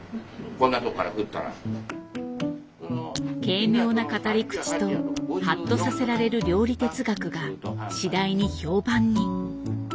軽妙な語り口とハッとさせられる料理哲学が次第に評判に。